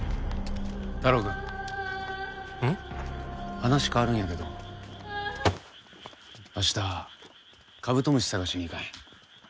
話変わるんやけど明日カブトムシ探しに行かへん？